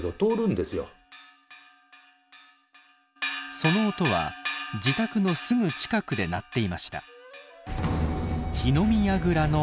その音は自宅のすぐ近くで鳴っていました。